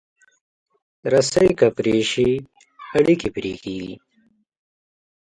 رسۍ که پرې شي، اړیکې پرې کېږي.